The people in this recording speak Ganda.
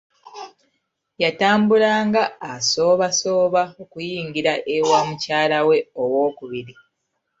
Yatambulanga asoobasooba okuyingira e wa mukyalawe owokubiri.